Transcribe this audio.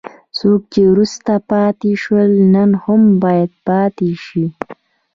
څوک چې وروسته پاتې شول نن هم باید پاتې شي.